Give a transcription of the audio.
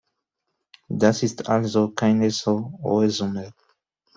Das ist also keine so hohe Summe.